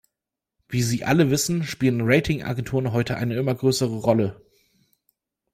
Wie Sie alle wissen, spielen Rating-Agenturen heute eine immer größere Rolle.